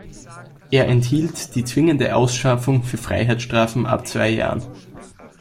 Er enthielt die zwingende Ausschaffung für Freiheitsstrafen ab zwei Jahren.